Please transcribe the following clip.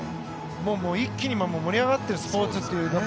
もう一気に盛り上がっているスポーツっていう。